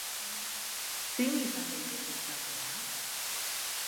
Zein izan daiteke gakoa?